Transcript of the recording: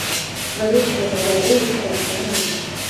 غریب د نادارۍ داستان لري